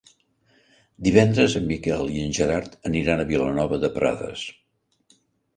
Divendres en Miquel i en Gerard aniran a Vilanova de Prades.